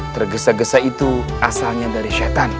tergesa gesa itu asalnya dari setan